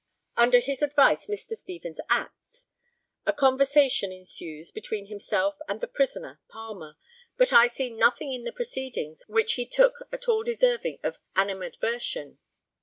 Under his advice Mr. Stevens acts; a conversation ensues between himself and the prisoner Palmer, but I see nothing in the proceedings which he took at all deserving animadversion.